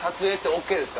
ＯＫです！